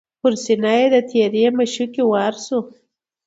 پر سینه یې د تیرې مشوکي وار سو